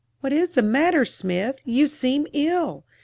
"What is the matter, Smith, you seem ill?"